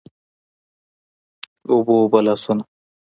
اوبه، اوبه لاسونه